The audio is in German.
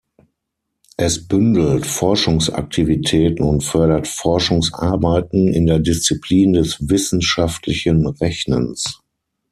Es bündelt Forschungsaktivitäten und fördert Forschungsarbeiten in der Disziplin des wissenschaftlichen Rechnens.